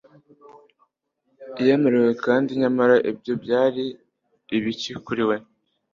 Yemerewe kandi nyamara ibyo byari ibiki kuri we